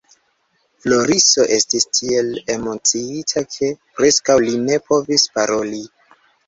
Floriso estis tiel emociita, ke preskaŭ li ne povis paroli.